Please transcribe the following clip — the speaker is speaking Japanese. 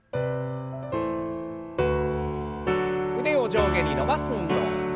腕を上下に伸ばす運動。